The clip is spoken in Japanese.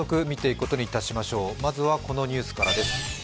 まずはこのニュースからです。